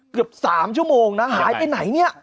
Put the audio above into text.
เกือบ๓ชมนะหายแผ่นไหนเนี่ย